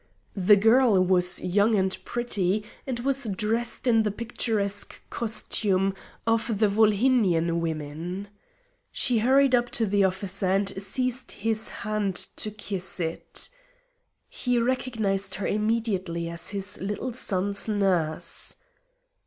The girl was young and pretty, and was dressed in the picturesque costume of the Volhynian women. She hurried up to the officer and seized his hand to kiss it. He recognised her immediately as his little son's nurse.